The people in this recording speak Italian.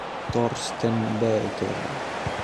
Thorsten Becker